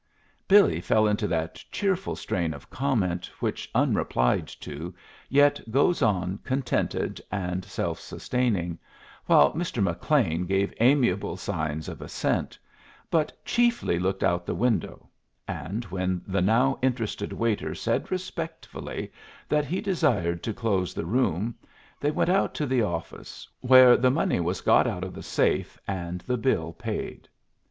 Billy fell into that cheerful strain of comment which, unreplied to, yet goes on contented and self sustaining, while Mr. McLean gave amiable signs of assent, but chiefly looked out of the window; and when the now interested waiter said respectfully that he desired to close the room, they went out to the office, where the money was got out of the safe and the bill paid.